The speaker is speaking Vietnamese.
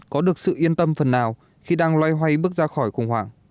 có được sự yên tâm phần nào khi đang loay hoay bước ra khỏi khủng hoảng